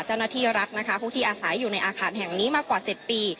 เจ้าหน้าที่รัฐนะคะผู้ที่อาศัยอยู่ในอาคารแห่งนี้มากว่า๗ปี